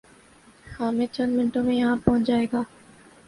حامد چند منٹوں میں یہاں پہنچ جائے گا